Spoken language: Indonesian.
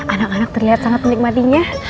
anak anak terlihat sangat menikmatinya